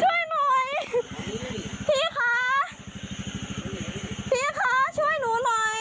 ช่วยหน่อยพี่คะพี่คะช่วยหนูหน่อย